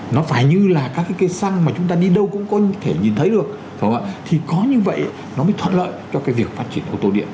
nó phải như là các cái cây xăng mà chúng ta đi đâu cũng có thể nhìn thấy được đúng thì có như vậy nó mới thuận lợi cho cái việc phát triển ô tô điện